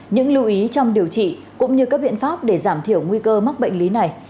những lưu ý trong điều trị cũng như các biện pháp để giảm thiểu nguy cơ mắc bệnh lý này